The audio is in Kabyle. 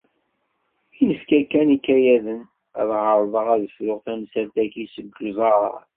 Mi nekfa kan ikayaden, ad ɛerḍeɣ ad fruɣ tamsalt-agi seg uẓar.